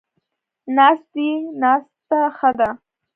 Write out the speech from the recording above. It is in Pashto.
ناست دی، ناسته ښه ده